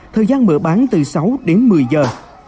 thời gian mở bán từ sáu đến một mươi giờ